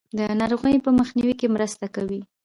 د ناروغیو په مخنیوي کې مرسته کوي.